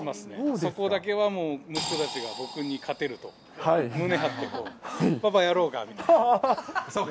そこだけはもう息子たちが唯一僕に勝てると、胸張ってこう、パパやろうかみたいな、そうか。